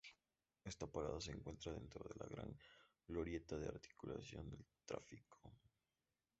Esta parada se encuentra dentro de la gran glorieta de articulación del tráfico.